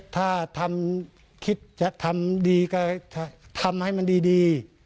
ถ้าทำคิดจะทำดีก็ทำให้มันดี